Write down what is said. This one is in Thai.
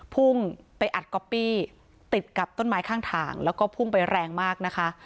พุ่งไปอัดก๊อปปี้ติดกับต้นไม้ข้างทางแล้วก็พุ่งไปแรงมากนะคะ